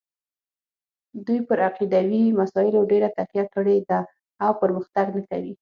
دوی پر عقیدوي مسایلو ډېره تکیه کړې ده او پرمختګ نه کوي.